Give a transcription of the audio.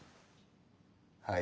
はい。